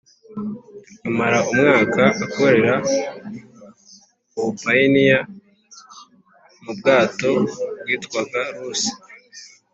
amara umwaka akorera ubupayiniya mu bwato bwitwaga Rusi